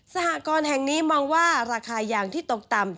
หกรณ์แห่งนี้มองว่าราคายางที่ตกต่ำ